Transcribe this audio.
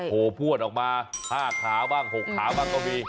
พวดออกมา๕ขาบ้าง๖ขาบ้างก็มี